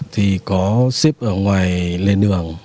thì có xếp ở ngoài lên đường